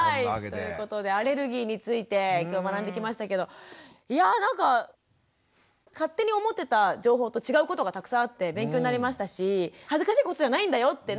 ということでアレルギーについて今日学んできましたけどいやぁなんか勝手に思ってた情報と違うことがたくさんあって勉強になりましたし恥ずかしいことじゃないんだよって